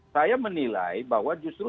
saya menilai bahwa justru